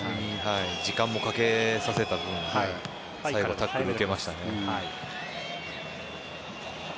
時間もかけさせた分最後、高く抜けましたね。